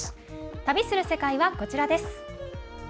「旅する世界」はこちら。